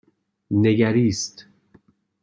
نگریست